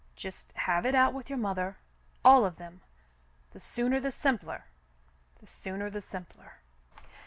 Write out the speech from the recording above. Just have it out with your mother — all of them ; the sooner the simpler, the sooner the simpler."